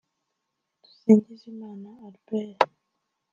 Dusingizimana Albert